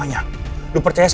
aku bisa nungguin kamu di rumah